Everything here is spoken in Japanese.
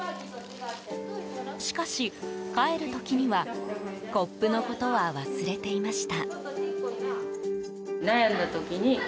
しかし、帰る時にはコップのことは忘れていました。